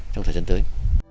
trong thời gian tới